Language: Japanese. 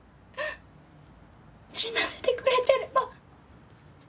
死なせてくれてれば。